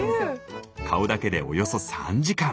顔だけでおよそ３時間。